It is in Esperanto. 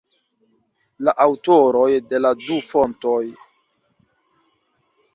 La aŭtoroj de la du fontoj.